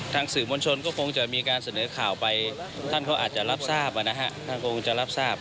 ถ้ามีการเสนอข่าวไปท่านเขาอาจจะรับทราบ